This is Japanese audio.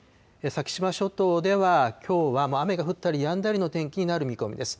先島諸島ではきょうは雨が降ったりやんだりの天気になる見込みです。